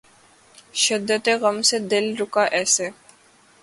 شدتِ غم سے دل رکا ایسے